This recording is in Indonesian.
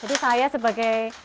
jadi saya sebagai